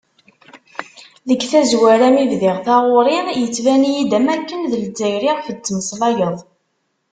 Deg tazwara mi bdiɣ taɣuri, yettban-iyi-d am wakken d Lzzayer i ɣef d-tettmeslayeḍ.